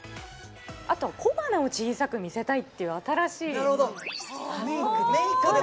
あと小鼻を小さく見せたいっていう新しいメイクで？